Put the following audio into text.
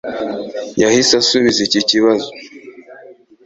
Yahise asubiza iki kibazo